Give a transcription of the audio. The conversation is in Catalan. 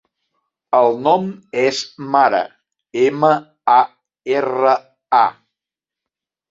El nom és Mara: ema, a, erra, a.